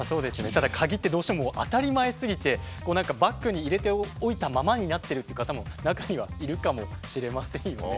ただ鍵ってどうしても当たり前すぎてバッグに入れておいたままになってるって方も中にはいるかもしれませんよね。